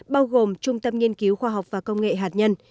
bao gồm trung tâm nghiên cứu khoa học và công nghệ hạt nhân